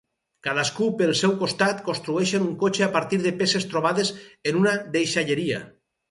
Cadascú pel seu costat, construeixen un cotxe a partir de peces trobades en una deixalleria.